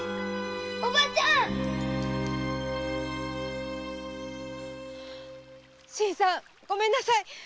おばちゃん！〕ごめんなさい！